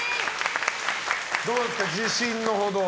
どうですか、自信のほどは？